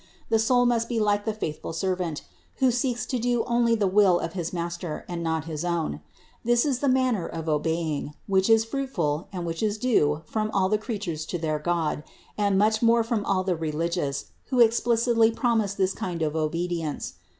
The soul must be like the faithful servant, who seeks to do only the will of his master and not his own. This is the manner of obeying, which is fruitful and which is due from all the creatures to their God and much more from all the religious, who explicitly promise this kind of obedience.